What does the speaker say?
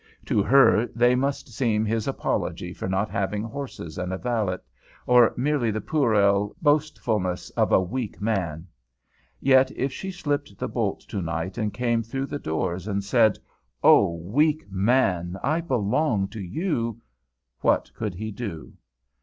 To her they must seem his apology for not having horses and a valet, or merely the puerile boastfulness of a weak man. Yet if she slipped the bolt tonight and came through the doors and said, "Oh, weak man, I belong to you!" what could he do?